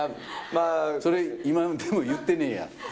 それ、今でも言ってねえや。